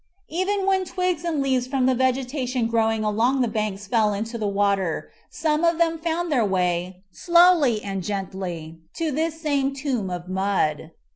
Even when twigs and leaves from the vegetation growkig along the banks fell into the water some of them found their way, slowly and gently, to this same tomb of mud.